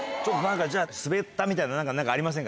スベったみたいなの何かありませんか？